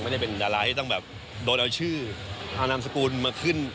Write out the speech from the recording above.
ไม่ได้เป็นดาราที่ต้องแบบโดนเอาชื่อเอานามสกุลมาขึ้น